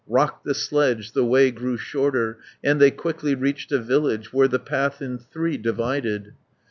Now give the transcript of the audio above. Rocked the sledge, the way grew shorter, And they quickly reached a village, Where the path in three divided.